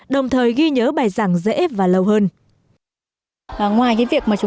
đồng thời ghi nhớ bài giảng dễ và lâu hơn